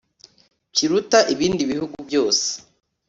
kiruta ibindi bihugu byose